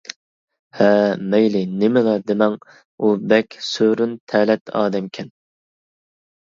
-ھە، مەيلى نېمىلا دېمەڭ، ئۇ بەك سۆرۈن تەلەت ئادەمكەن.